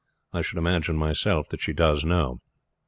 I should imagine myself that she does know.